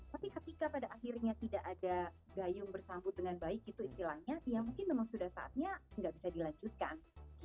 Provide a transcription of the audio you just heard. tapi ketika pada akhirnya tidak ada gayung bersambut dengan baik itu istilahnya ya mungkin memang sudah saatnya nggak bisa dilanjutkan